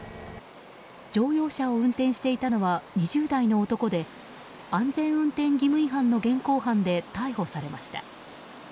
乗用車を運転していたのは２０代の男で安全運転義務違反の現行犯で逮捕されました。